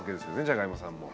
じゃがいもさんも。